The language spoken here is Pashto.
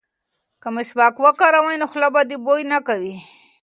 که مسواک وکاروې نو خوله به دې بوی نه کوي.